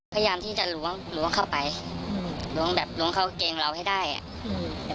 พยายามที่จะล้วงล้วงเข้าไปล้วงแบบล้วงเข้าเกงเราให้ได้อ่ะอืม